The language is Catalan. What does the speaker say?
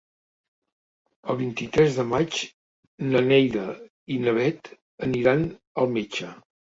El vint-i-tres de maig na Neida i na Bet aniran al metge.